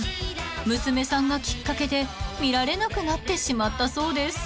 ［娘さんがきっかけで見られなくなってしまったそうです］